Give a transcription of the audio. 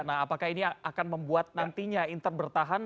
nah apakah ini akan membuat nantinya inter bertahan